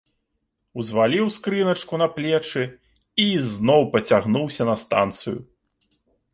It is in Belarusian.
Узваліў скрыначку на плечы і ізноў пацягнуўся на станцыю.